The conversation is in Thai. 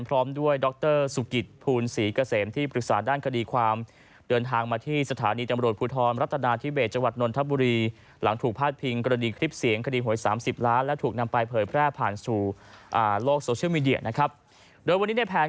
พร้อมด้วยดรสุกิตภูนศ์ศรีเกษมที่ปรึกษาด้านคดีความ